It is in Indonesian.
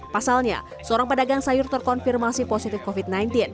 pasalnya seorang pedagang sayur terkonfirmasi positif covid sembilan belas